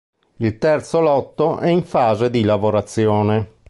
Il "Terzo Lotto" è in fase di lavorazione.